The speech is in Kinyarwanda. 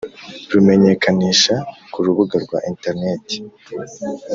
rumenyekanisha ku rubuga rwa interineti